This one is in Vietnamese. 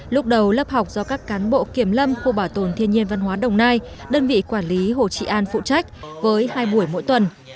lúc đầu lớp học do các cán bộ kiểm lâm khu bảo tồn thiên nhiên văn hóa đồng nai đơn vị quản lý hồ trị an phụ trách với hai buổi mỗi tuần